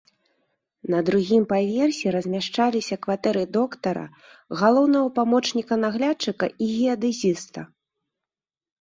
На другім паверсе размяшчаліся кватэры доктара, галоўнага памочніка наглядчыка і геадэзіста.